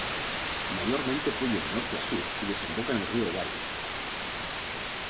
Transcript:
Mayormente fluye de norte a sur y desemboca en el río Guaire.